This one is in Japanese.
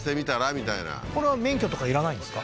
みたいなこれは免許とかいらないんですか？